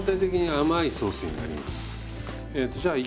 はい。